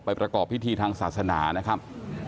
ประกอบพิธีทางศาสนานะครับ